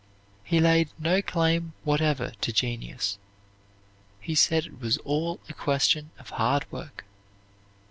He laid no claim whatever to genius; he said it was all a question of hard work.